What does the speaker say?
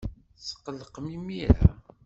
Tetqellqemt imir-a?